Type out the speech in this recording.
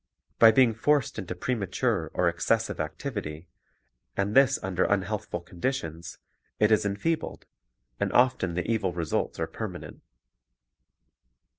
By being forced into premature or excessive activity, and this under unhealthful conditions, it is enfeebled, and often the evil results are permanent.